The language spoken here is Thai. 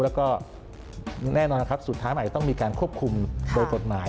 แล้วก็แน่นอนครับสุดท้ายมันอาจจะต้องมีการควบคุมโดยกฎหมาย